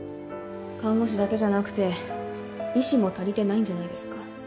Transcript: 看護師だけじゃなくて医師も足りてないんじゃないですか？